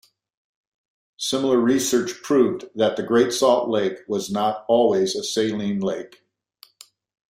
Similar research proved that the Great Salt Lake was not always a saline lake.